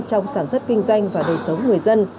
trong sản xuất kinh doanh và đời sống người dân